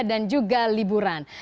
dan juga liburan